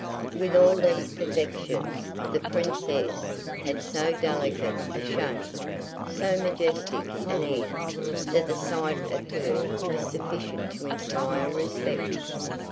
With all these perfections the Princess had so delicate a shape, so majestic an air, that the sight of her was sufficient to inspire respect.